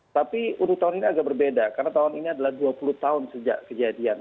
tapi untuk tahun ini agak berbeda karena tahun ini adalah dua puluh tahun sejak kejadian